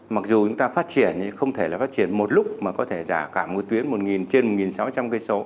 mặc dù chúng ta phát triển thì không thể là phát triển một lúc mà có thể đả cả một tuyến trên một sáu trăm linh km